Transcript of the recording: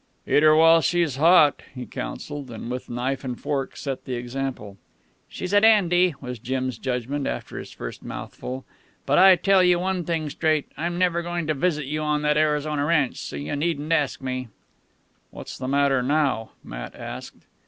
"Eat her while she's hot," he counselled, and with knife and fork set the example. "She's a dandy," was Jim's judgment, after his first mouthful. "But I tell you one thing straight. I'm never goin' to visit you on that Arizona ranch, so you needn't ask me." "What's the matter now?" Matt asked.